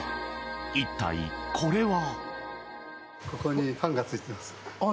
一体、これは？